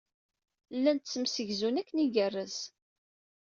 Llan ttemsegzun akken igerrez.